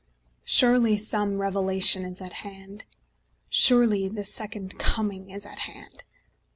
Surely some revelation is at hand; Surely the Second Coming is at hand.